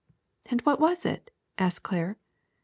^^And what was it?" asked Claire.